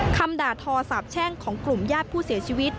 คำด่าทอสาบแช่งของกลุ่มญาติผู้เสียชีวิต